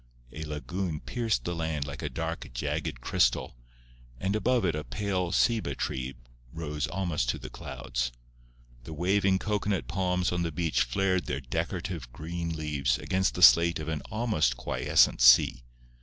A lagoon pierced the land like a dark, jagged crystal, and above it a pale ceiba tree rose almost to the clouds. The waving cocoanut palms on the beach flared their decorative green leaves against the slate of an almost quiescent sea.